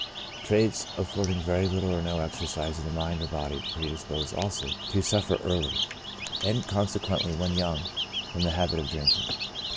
Trades affording very little or no exercise of the mind and body predispose also to suffer early, and consequently when young, from the habit of drinking.